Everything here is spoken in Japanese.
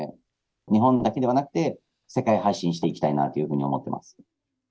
日本だけではなくて、世界に発信していきたいなと思っています。